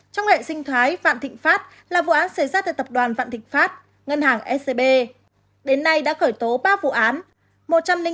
trong lệ sinh thoái phạm thịnh phát là vụ án xảy ra tại tập đoàn phạm thịnh phát ngân hàng scb đến nay đã khởi tố ba vụ án một trăm linh tám bị can